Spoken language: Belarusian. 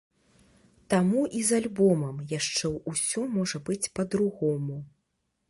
Таму і з альбомам яшчэ усё можа быць па-другому.